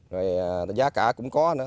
rồi giá cả cũng có nữa